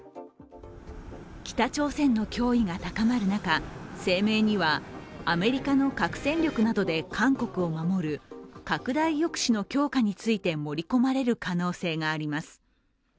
北朝鮮の脅威が高まる中、声明にはアメリカの核戦力などで韓国を守る拡大抑止の強化について盛り込まれる可能性があります。